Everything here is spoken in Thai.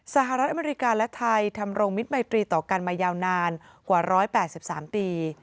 สหรัฐอเมริกาและไทยทำโรงมิตรมัยตรีต่อกันมายาวนานกว่า๑๘๓ปี